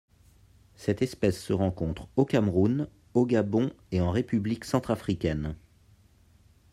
Cette espèce se rencontre au Cameroun, au Gabon et en République centrafricaine.